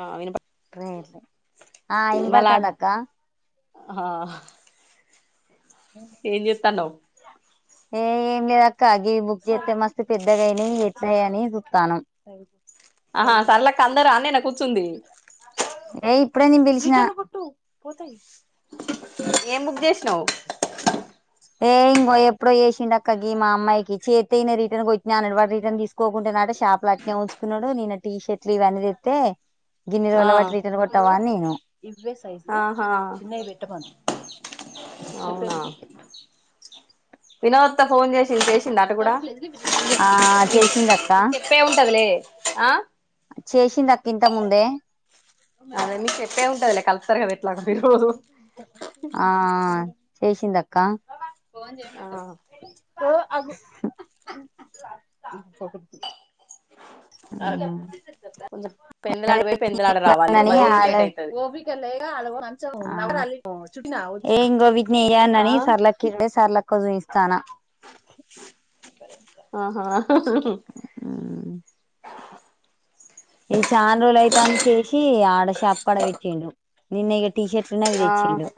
ఆ విన్ ట్రైన్ లే ఆ మళ్ళ వినబడుతుందా అక్క ఆ ఏం చేత్తాండవ్ ఏ ఏం లేదక్కగి బుక్ చేస్తే మస్తు పెద్దగయినయి ఎట్లయి అని చూత్తాను ఆహా సర్లక్క అందరు అన్నే నా కూర్చుంది అప్పుడే నేను పిలిచినా ఏం బుక్ చేసినవ్ ఏ ఇంగో ఎప్పుడో చేసి చిన్నక్కకి మా అమ్మాయికి చేస్తే నేను రిటర్న్ కొట్టినా అన్నడు రిటర్న్ తీసుకోకుండేనట షాప్ లో అట్నే ఉంచుకున్నాడు నిన్న టీషర్ట్లు ఇవన్నీ తేస్తే ఆ గిన్నెరుల పట్టి రిటర్న్ కొట్టావాన్ని ఆ ఇవే సైజు ఆహా చిన్నవి పెట్టమను చెప్పేదివిను వినోద్తో ఫోన్ చేసి చింపేసింది అంట కూడా ఆ చేసిందక్క నికిచెప్పే ఉంటదిలే ఆ చేసింది అక్క ఇంతకు ముందే అదే మీకి చెప్పే ఉంటదలే కలుస్తారు కద అట్లాగ మీరు చేేసింది అక్కా ఫోన్ ఆ చేయమంటారా ఓ ఆగు ఆ కొంచెం పెందలాడపోయి పెందలాడ రావాలి అని మరీ లేట్ అయితది ఏ ఇంగో నీ అన్న ఆ నీ సర్లక్కేఇట్టే సర్లక్కే కొంచం ఇస్తానా ఆహా ఎ చానరోజులు అయితంది చేసి ఆడషాప్ కాడ పెట్టిండు నిన్నే గ టీ షర్ట్స్ను అవి ఆ తెచ్చిండు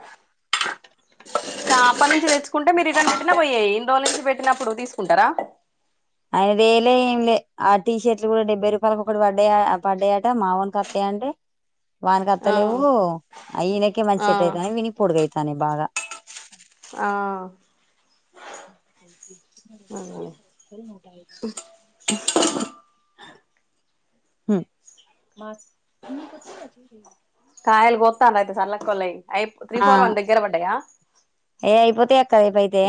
అప్పటి నుంచి తెచ్చుకుంటే మీరు రిటర్న్ పెట్టినా పోయేయి ఇన్ని రోజుల నుంచి పెట్టినప్పుడు తీసుకుంటరా ఐదు వేలే ఏంలే ఆ టీ షర్ట్లు కూడా డెబ్బై రూపాయలకు ఒకటి పడ్డాయా పడ్డాయట మావన్ కోత్తాయంటే వాన్కి అవుతలేవు ఆ ఈయనకే మంచి ఆ సెట్ అయితనయి వీనికి పొడుగై తనే బాగా ఆ అదేలే ఏముంటాయి [unintelligible] హుమ్ కాయలు పోతఅనది సరళ అక్కోలయి ఐ త్రీ ఆ ఫోర్ వన్ దగ్గర పడ్డాయా ఏ అయిపోతాయి అక్క రేపు అయితే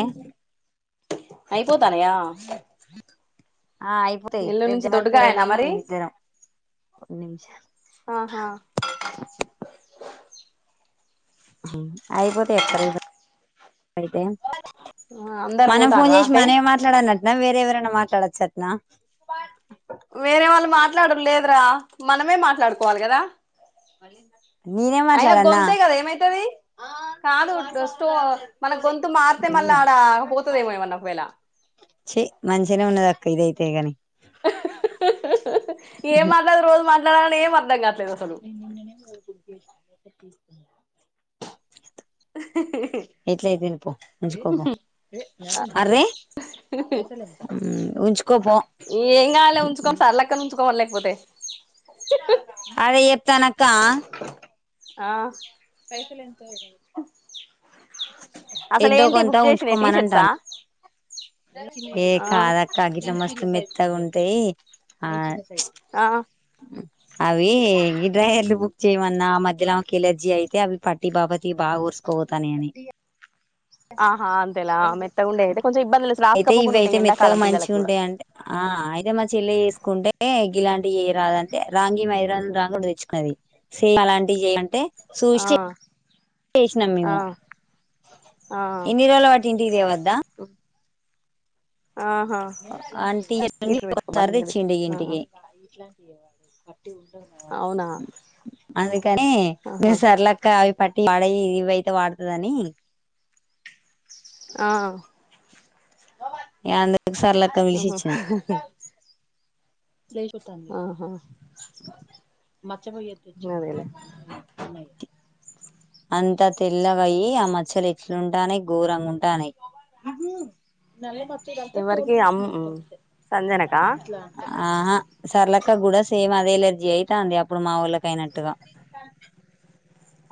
అయిపోతానయా ఆ అయిపోతాయి ఇల్లు రేపు నుంచి జంగాల దొడ్డుగాయేనా పిల్లొలు మరి మేమిద్దరం నిమిషాలు ఆహా అయిపోతే ఎతర అయితే ఆ అందరు మనం ఫోన్ పోతాండ్రా చేసి అటే మనమే మాట్లాడన్నట్న వేరే ఎవరన మళ్ళ మాట్లాడోచనట్నా వేరే వాళ్ళు మాట్లాడరు లేదురా మనమే మాట్లాడుకోవాలి కదా మరింద అయినా గొంతే కదా ఏమైతది. కాదు స్టో మన గొంతు మారితే మళ్ళ ఆడ పోతదేమో ఏమన్న ఒకవేళ హేగాని ఏం మాట్లాడ రోజు మా మాట్లాడే ఏం అర్థ నేను నిన్ననే కదా బుక్ చేసినేది [unintelligible] అ ఎట్ల అయిదిపో ఉంచుకోపో అరే పైసలోదా ఉ ఉంచు ఏం కాలే ఉంచుకో సరళ అక్క నీ ఉంచుకో లేకపోతే అరె తనక ఆ పైసలు ఎంచావు అసలు ఎదో ఏంటి కొంత బుక్ చేసినయి టీ ఉంచుకోమని షర్ట్సా అంటాన ఏ ఆ కాదక్క గిట్ల మస్తు మెత్తగా ఉంటాయి ఆ ఆ అవి ఈ డ్రాయర్లు బుక్ చేయమన్నా ఆ మధ్యలోకి ఎలర్జీ అయితే అవి పట్టి బాపతి బాగా ఊర్సుకోపోతానే అని ఆహా అంతేలా ఆ మెత్తగా ఉండేది అయితే కొంచెం ఇబ్బందులు లే అయితే రాసుకపోకుండా ఇవయితే ఉంటాయి ఎండాకాలం పిల్లలకి కూడా అదే మా చెల్లి వేసుకుంటే గిలాంటి చేయరాదంటే రాంగి మైదరాను రాంగ కూడా తెచ్చుకోయింది సేమ్ అలాంటివి చేయ అంటే ఆ చేసినాం ఆ మేము ఆ ఎన్ని రల వాటి ఇంటిది వద్దా ఆహా అంటె [unintelligible] ఇట్లు పెట్టుకో బల్ల ఒకసారి మీద పెట్టు తెచ్చిండు ఆ ఇంటికి ఎవరికో అవునా అందుకని ఆహా సర్లేక్క అవి ప వాడవి ఇవియితే వాడుతదని ఆ ఏంది సర్లే అక్క పిలిచి ఆహా ఇచ్చిన తుంది ఆహా మచ్చపోయ్య తెచ్చి అదేలే ఉన్నాయి అంతా తెల్లగయి ఆ మచ్చలు ఎట్లుంటానే ఘోరంగా ఉంటాన్నయి నల మత్త అంత తోలి ఎవరికి అమ్ ఉసంత సంజనకా మంతట్లా ఆహా సర్లక్క కూడా సేమ్ అదే ఎలర్జీ అయితా ఉంది అప్పుడు మా వోళ్ళకి అయినట్టుగా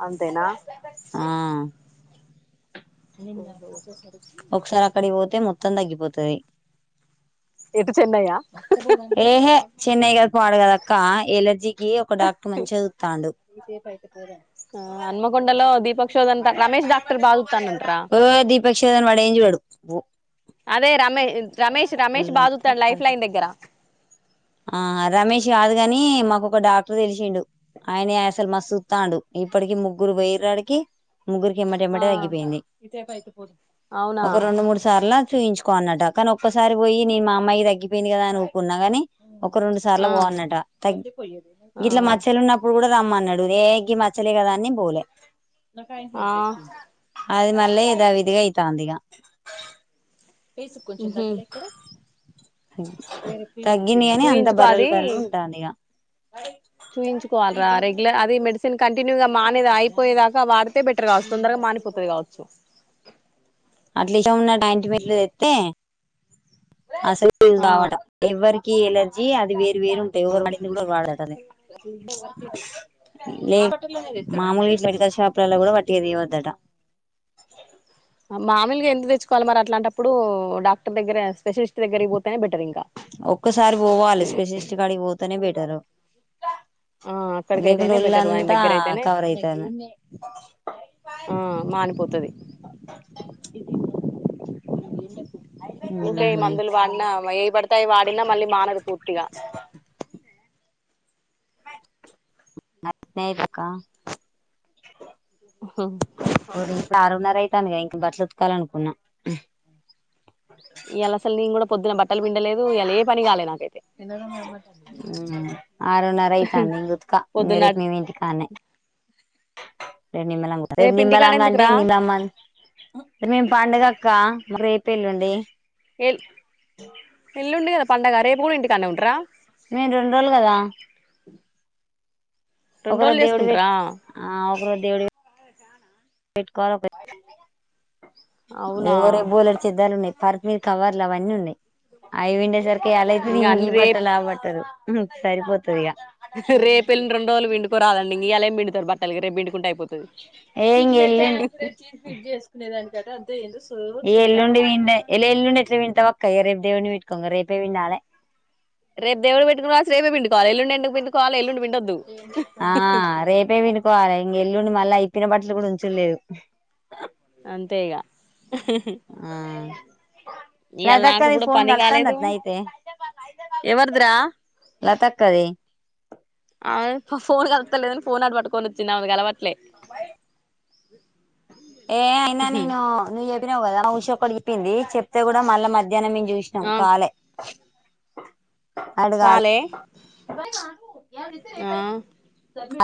అంతేనా ఆ ఒకసారి అక్కడికి పోతే మొత్తం తగ్గిపోతది ఎటు చెన్నై ఆ ఏహే చెన్నై కాదు పాడు కాదు అక్క ఎలర్జీ ఏ ఒక డాక్టర్ మంచి చూత్తాండు ఎంతసేపు అయిత ఆ అనుమకొండలో దీపక్షోద అంత రమేష్ డాక్టర్ బా తనూట్ర ఇన్ఫెక్షన్ అయింది అని వాడేం చూడడు అదే రమే రమేష్ రమేష్ బాగా చూతాడు లైఫ్ లైన్ దగ్గర ఆ రమేష్ కాదు కాని మాకొక డాక్టర్ తెలిసిండు ఆయన అసలు మ సూత్తాండు ఇప్పటికి ముగ్గురు పోయిండ్రు ఆడికి ముగ్గురికి ఎంబట ఆ ఎంబటే తగ్గింది ఇదేపయతు అవునా ఒక రెండు మూడు సార్లా చూయించు కొన్నట కాని ఒక్కసారి పోయి నీ మా అమ్మాయికి తగ్గిపోయింది కదా ఊరుకున్న కాని ఒక రెండు సార్లు ఆ పో అన్నట తగ్గి ఆ ఇట్ల మచ్చలు ఉన్నప్పుడు కూడా రామ్మన్నడు ఏ ఈ మచ్చలే కదా అని పోలే నాకు ఆ ఆయింటిమెంట్ తెచ్చివు అది మళ్ళి ఎదా విదిగా అయితాందిక కేసు కొంచెం ఉహు తగ్గలే ఇక్కడ అ తగ్గింది అని అంత బర్రలు బర్రలు ఉంటాంది ఇగ చూయించుకోవాలరా రెగ్యులర్ అది మెడిసిన్ కంటి కావచ్చు తొందరగా మానిపోతది కావచ్చు అట్ల విషమ్ ఉన్న అయింట్మెంట్ తెస్తే ఆ అసలుండవట ఎవ్వరి ఈ ఎలర్జీ అది వే వేరుంటాయి ఎవరు కూడా వాడటనే లే మామూలు ఇట్లా మెడికల్ షాపులలా కూడా వట్టిగా తేవద్ దటా మామలుగా ఎందు తెచ్చుకోవాలి మరి అలాంటప్పుడు డాక్టర్ దగ్గర స్పెషలిస్ట్ దగ్గర పోతేనే బెటర్ ఇంకా ఒక్కసారి పోవాలి స్పెషలిస్ట్ గాడికి పోతేనే బెటర్ టారు ఆ అక్కడికైతేనే బెటరు ఆయన దగ్గర అయితేనే కవర్ అయితాంది ఆ మానుపోతు ఇదిమా ఎండ అప్పుడు ఊకేయి మందులు వాడినా ఏ పడతాయి వాడినా మళ్ళీ మానదు పూర్తిగా మ స్నేహిపకా హ ఇలా ఆరు నారా అయితాంది కదా ఇంకా బట్టలు ఉతకాలనుకున్న ఎలా సాల్ నిన్ కూడా పొద్దున బ్ మ్ ఆరున్నర అయితంది నేన్ ఉతుక మీరు పొద్దున్న రేప్నేన్ ఇంటికాన్నే రేప్ నిమ్మలంగ ఉంటా రేప్ రేపు ఇంటికాడ నిమ్మలంగా అంటే ఎందుకురా నిమ్రబ్ మేం పండుగక్క మారే రేప్ పేళ్ల్లుండి ఏల్ ఎల్లుండి గదా పండగ రేప్ గుడా ఇంటీ నేన్ రెండు రోజులు కదా ఒక రెండు రోజ్ రోజులు దవుడువే చేసుకుంటరా ఆ ఒకరోజ్ దేవుడువే పెట్కోావాలా పేట్ అవునా ఎవరే బోలేడ్ చిద్దాలున్నాయి కరణ్ మీ కవర్లా అవన్నీ ఉన్నాయి అవి విండేసరికి యాలయితే ఇంగ ఇంగి అన్ని రేప్ బట్టలుఆ బట్టలు హుమ్ సరిపోతాయా రేప్ ఏల్ రెండ్రోజులు పిండుకురాడండి ఇగ్ ఇయలెం పిండుతారు బట్ట తలగ రేప్ పిండుకుంటే అయిపోద్ది ఏం చేయలేను తెలుసు ఎ ఎల్లుండి ఎండే ఏల్ ఎలుండి ఎట్లా తింటావ్ కయ్యే రేప్ దేవున్ని వెట్టుకొం గా రేపే పిండాలే రేప్ దేవుడ్ వెట్టుకోసవాలె రేపే పిండుకోవాల్ ఎల్లుండి ఎందుకు పిండ్ ఆ రేపే బిండుకోవాలె ఇంగ ఎల్లుండి మళ్ళా ఇప్పిన బట్టలు కూడా ఉచ్చుడులేద్ అంతే ఇగ ఆ ఇయాల నాకు లతక్కది కూడా ఫోన్ పని కాలేదు గలుత్తందాటణ అయితే ఎవరిదిరా లతక్కది ప్ ఫోన్ కలుతాలేదని ఫోన్ అటు పట్టుకొని కుచ్చున్న ఆమె కాలవద్ ట్లే ఏ ఐన నేను ని చెప్ చెప్పినావు కదా మా ఉషక్క చెప్పింది చెప్తే కూడా మళ్ళ మధ్య ధ్యానం మేము చూసినాం ఆ కాలే అడగాలె కాలే ఆ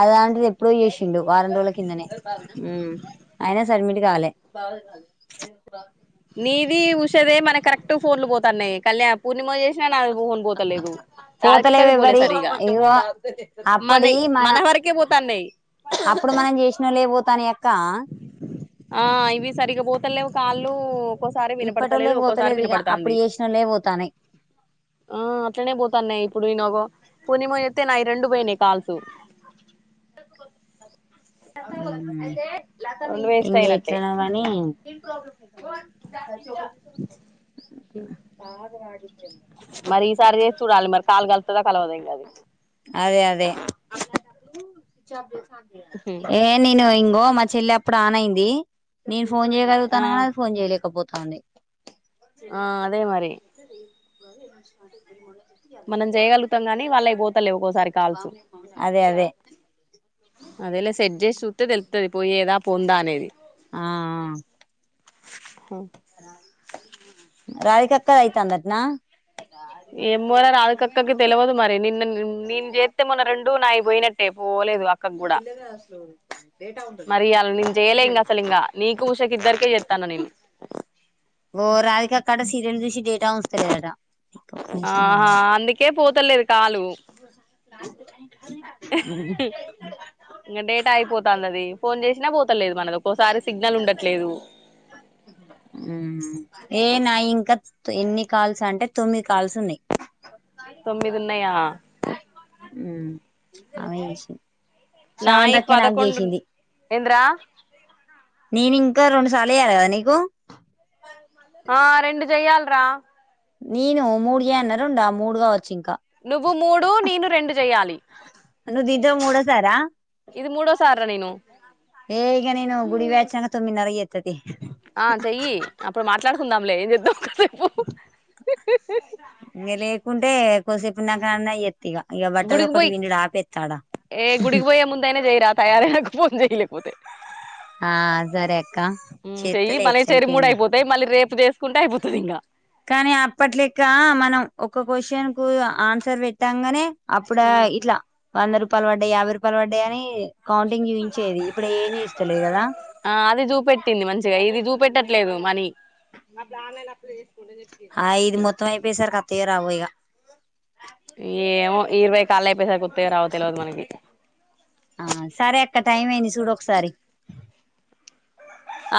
అదాంటిది ఎప్పుడో చేసిండు వారం రోజుల కిందనే అయినా సడ్మిట్ కాలే ఇది ఊష దే మనకి కరెక్ట్ ఫోన్లు పోతన్నాయి కళ్యా పోతలేవ రాధికక్కది పోలే ఎవ్వరి సరిగా ఇగో అప్పడి మనయి మన వరకే పోతాన్నాయి అప్పుడు మనం చేసినోళ్ళవే పోతున్నాయి క్ ఆ ఇవి సరిగా పో పోతలేవ్ కాల్లు ఒక్కోసారి ఇప్పటోళ్ళే వినపడతలేదు ఒక్కోసారి పోతలేదు ఇగ వినపడతాంది అప్పుడు చేసినోళ్ళే పోతానయి ఆ ఇట్నే పోతున్నాయి ఇప్పుడు ఇ నగో పూర్ణిమ ఎత్తే రెండు పోయినాయ్ కాల్సు రెండు వేస్ట్ ఇంగ అయినట్టే ఎట్లనో గానీ ఎ మరి ఈసారి చేసి చూడాలి మరి కాలు కలుతుందా కలవదం కది చబ్బీస్ అది ఏ నేను ఇంగ్ బో మా చెల్లి అప్పుడు ఆన్ అయింది నేను ఫోన్ ఆ చేయగలుగుతానా ఫోన్ చేలేేపో అనీ ఆ అదే మరి చెల్లి [unintelligible] గౌన్ వేయించుకుంటే తెల్లిలా మనం చేయగలుగుతాం గానీ వాళ్ళకి పోతలే ఒక్కోసారి కాల్సు అదే అదే అదేలే సెట్ చేసు వత్తే తేలుతది పోయి ఎద పొందా అనేది ఆ హు రాధికక్కది అయితాందట్నా ఏమోరా రాదికక్కకి తెల్వదు మరి నిన్న నేను చేస్తే మొన్న రెండు నాయి పోయినట్టే పోలేదు అక్కకి కూడా మరి అలా నేను చేయలే ఇంక అసలు ఇంకా నీకు ఉషకిద్దరికే చేస్తాన్నా నేను ఓ రాధికక్క అక్కడ సీరియల్ చూసి డేటా ఉంచట్లేదంట ఆ ఆహా అందుకే పోతు ల్ కాలు ఇంకా డేటా అయిపోతుంది అది ఫోన్ చేసినా పోతు తలేదు మనకు ఒక్కోసారి సిగ్నల్ ఉండట్లేదు ఏ నాయి ఇంకా ఎన్ని కాల్స్ అంటే తొమ్మిది కాల్స్ ఉన్నాయి తొమ్మిది ఉన్నాయా ఉమ్ అవే చేసి నాయి పదకొండు ఏంద్రా నేను ఇంకా రెండు సార్లు వయాలి కదా నీకు ఆ రెండు చెయ్యాలరా నేను మూడుగా రెండా మూడుగా వచ్చా నువ్వు మూడు నేను రెండు చెయాలి జరా ఏకనీ ను గుడిీ వ్యాచ్ చంగా తొమ్మిదిన్నర చేత్తతీ [inaudible] ఆ చెయ్యి అప్పుడు మాట్లాడుకుందాంలే ఏం చేద్దాం కాసేపు ఇగ లేకుంటే కోసేపున్నాక అన్న చేస్తా గుడికి పోయ్ ఏ గుడికి పోయే ముందయినే జేయ్ రా తయారైనంక వద్దు ఫోన్ జై లేక్ పోతే ఆ సరే అక్క చెత్తలే ఎట్లయితే ఏంది వేసుకుంట అయిపోతది ఇంకా కానీ అప్పట్ లెక్క మనం ఒక క్వశ్చన్ న్ ఆన్సర్ పెట్టాంగనే అప్పుడ ఇట్లా వంద రూపాయలు పడ్డాయ్ యాభై రూపా పర్వ డే అని [inaudible] చూయించేది ఇప్పుడు ఏం చూయిస్తలేదు కదా ఆ అది చూపెట్టింది మంచిగా ఇది చూపెట్టట్లేదు మనీ అట్లా ఆన్లైన్ అప్లై చేసి హా ఇది మొత్తం ఐపేసర్క్ అత్తమ్ తీరా పోయిగా [inaudible] ఏమో ఇరవై కాల్ లు అయిపోయసరి ఒత్తయో రావో తెలియదు మనకి ఆ సరే అక్క టైం అయింది చూడు ఒకసారి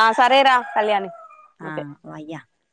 ఆ సరేరా కళ్యాణి ఆ ఓకే వయ్యా